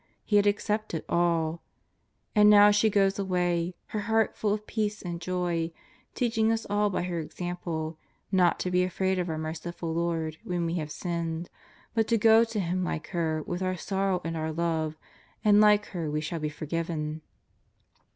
He had accepted all. And now she goes away, her heart full of peace and joy, teaching us all by her example not to be afraid of our merciful Lord when we have sinned, but to go to Him like her with our sorrow and our love, and like her we shall be forgiven.